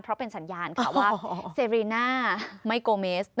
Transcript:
เพราะเป็นสัญญาณค่ะว่าเซรีน่าไมโกเมส